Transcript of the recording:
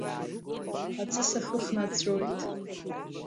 Аҵыс ахы хнаҵәоит!